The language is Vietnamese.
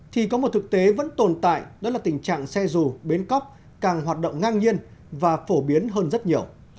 thì có một thực tế vẫn tồn tại đó là tình trạng xe dù bến cóc càng hoạt động ngang nhiên và phổ biến hơn rất nhiều